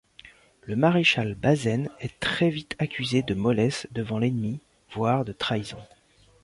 Le maréchal Bazaine est très vite accusé de mollesse devant l’ennemi, voire de trahison.